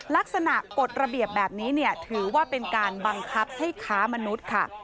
ลักษณะกฎระเบียบแบบนี้ถือว่าเป็นการบังคับให้ค้ามนุษย์ค่ะ